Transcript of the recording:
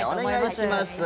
お願いします。